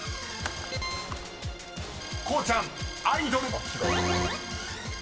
［こうちゃん「アイドル」］